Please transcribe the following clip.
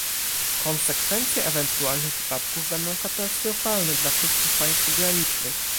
Konsekwencje ewentualnych wypadków będą katastrofalne dla wszystkich państw granicznych